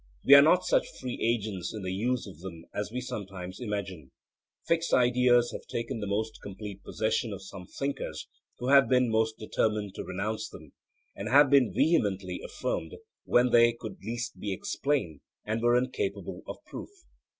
We are not such free agents in the use of them as we sometimes imagine. Fixed ideas have taken the most complete possession of some thinkers who have been most determined to renounce them, and have been vehemently affirmed when they could be least explained and were incapable of proof.